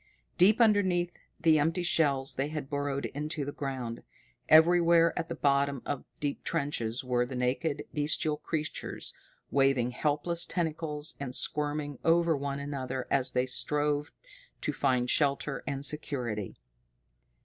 Deep underneath the empty shells they had burrowed into the ground. Everywhere at the bottom of the deep trenches were the naked, bestial creatures, waving helpless tentacles and squirming over one another as they strove to find shelter and security.